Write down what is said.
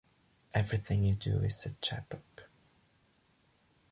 Everything we do is a chapbook.